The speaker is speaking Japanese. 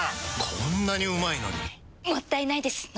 こんなにうまいのにもったいないです、飲まないと。